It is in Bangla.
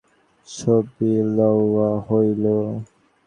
ছবি লওয়া হইল।